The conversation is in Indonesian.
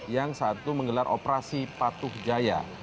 yang saat itu menggelar operasi patuh jaya